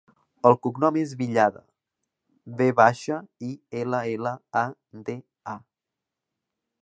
El cognom és Villada: ve baixa, i, ela, ela, a, de, a.